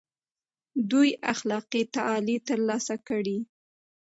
دوی اخلاقي تعالي تر لاسه کړي.